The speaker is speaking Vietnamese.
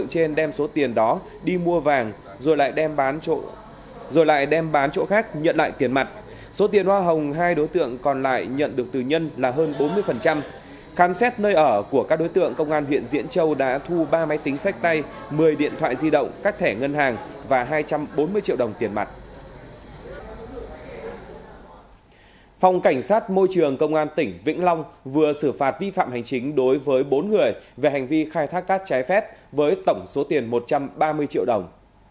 phòng cảnh sát môi trường công an tỉnh vĩnh long vừa xử phạt vi phạm hành chính đối với bốn người về hành vi khai thác cát trái phép với tổng số tiền một trăm ba mươi triệu đồng